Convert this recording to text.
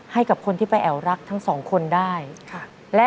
ให้กับคนที่ไปแอวรักทั้งสองคนได้ค่ะครับและ